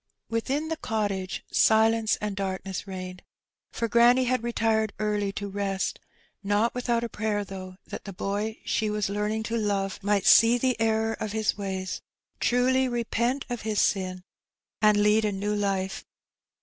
Within the cottage silence and darkness reigned, for granny had retired early to rest — not without a prayer, though, that the boy she was learning to love might see the error of his ways, truly repent of his sin, and lead a new Ufe.